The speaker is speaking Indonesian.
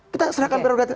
kita serahkan prerogatif